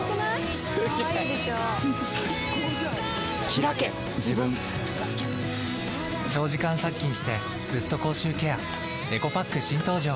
ひらけ自分長時間殺菌してずっと口臭ケアエコパック新登場！